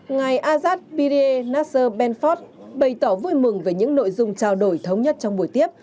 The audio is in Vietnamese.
ngài azad pirie nasser benford bày tỏ vui mừng về những nội dung trao đổi thống nhất trong buổi tiếp